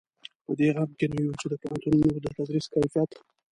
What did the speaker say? په دې غم کې نه یو چې د پوهنتونونو د تدریس کیفیت.